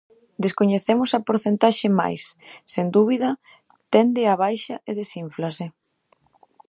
Descoñecemos a porcentaxe mais, sen dúbida, tende á baixa e desínflase.